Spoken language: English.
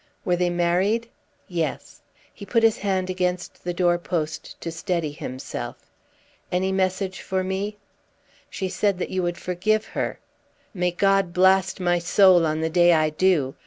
"Were they married?" "Yes." He put his hand against the door post to steady himself. "Any message for me?" "She said that you would forgive her." "May God blast my soul on the day I do!